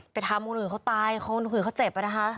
แต่ทามคนอื่นเขาตายคนอื่นเขาเจ็บไว้นะฮะ